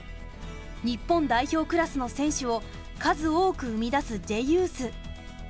日本代表クラスの選手を数多く生み出すＪユース。